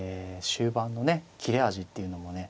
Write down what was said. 終盤のね切れ味っていうのもね